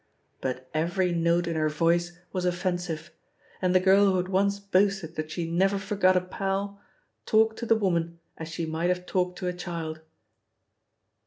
But every note in her voice was offensive, and the girl who had once boasted that she "never forgot a pal" talked to the woman as she might have talked to a child.